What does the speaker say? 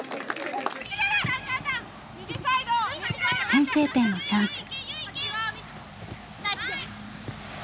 先制点のチャンス。